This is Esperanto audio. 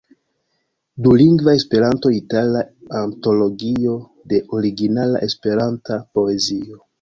Dulingva Esperanto-itala antologio de originala Esperanta poezio.